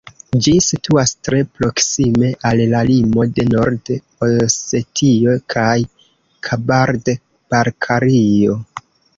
Ĝi situas tre proksime al la limo de Nord-Osetio kaj Kabard-Balkario.